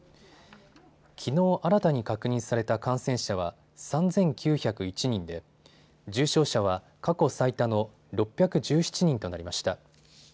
きのう新たに確認された感染者は３９０１人で重症者は過去最多の６１７人となりました。